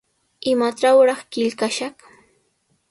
¿Imatrawraq qillqashaq?